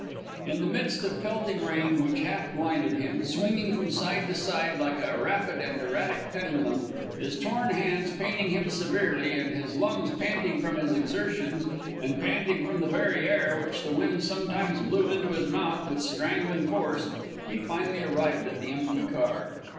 In the midst of pelting rain, which half blinded him, swinging from side to side like a rapid and erratic pendulum, his torn hands paining him severely and his lungs panting from his exertions and panting from the very air which the wind sometimes blew into his mouth with strangling force, he finally arrived at the empty car.